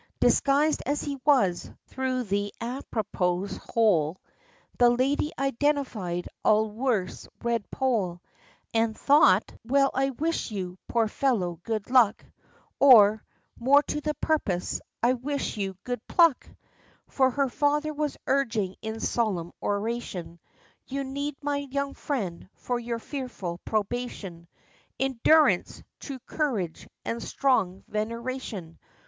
Disguised as he was, through the à propos hole The lady identified Aldworth's red poll, And thought, 'Well, I wish you, poor fellow, good luck, Or more to the purpose I wish you, good pluck!' For her father was urging in solemn oration, 'You need, my young friend, for your fearful probation Endurance true Courage and strong Veneration!